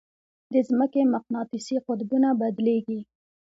د ځمکې مقناطیسي قطبونه بدلېږي.